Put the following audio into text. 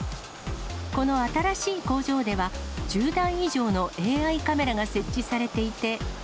この新しい工場では、１０台以上のＡＩカメラが設置されていて。